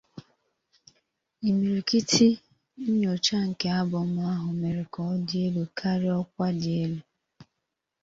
Imirikiti nyocha nke abọm ahụ mere ka ọ dị elu karịa ọkwa dị elu.